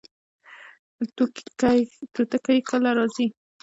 توتکۍ کله راځي؟